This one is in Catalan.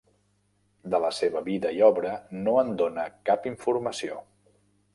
De la seva vida i obra no en dóna cap informació.